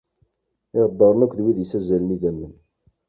Iɣeddaren akked wid yissazzalen idammen.